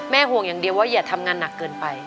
ห่วงอย่างเดียวว่าอย่าทำงานหนักเกินไป